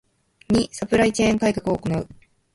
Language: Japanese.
ⅱ サプライチェーン改革を行う